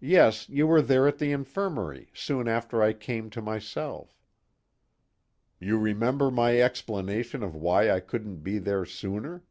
"Yes, you were there at the infirmary, soon after I came to myself." "You remember my explanation of why I couldn't be there sooner?"